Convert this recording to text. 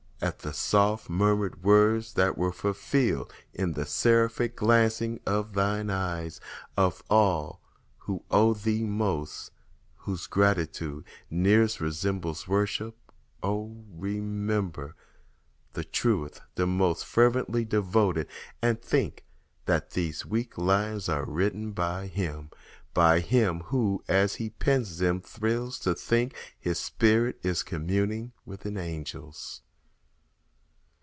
At the soft murmured words that were fulfilled In the seraphic glancing of thine eyes— Of all who owe thee most—whose gratitude Nearest resembles worship—oh, remember The truest—the most fervently devoted, And think that these weak lines are written by him— By him who, as he pens them, thrills to think His spirit is communing with an angel's.